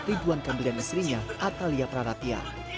ridwan kamil dan istrinya atalia praratia